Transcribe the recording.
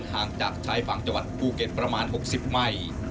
ห่างจากชายฝั่งจังหวัดภูเก็ตประมาณ๖๐ไม